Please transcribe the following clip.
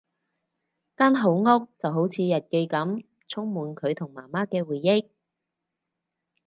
間好屋就好似日記噉，充滿佢同媽媽嘅回憶